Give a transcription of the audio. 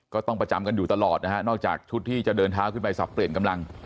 ก็ต้องประจำกันอยู่ตลอดนะฮะนอกจากชุดที่จะเดินเท้าขึ้นไปสับเปลี่ยนกำลัง